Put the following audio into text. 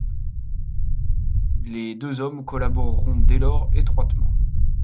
Les deux hommes collaboreront dès lors étroitement.